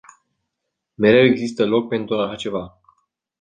Mereu există loc pentru așa ceva.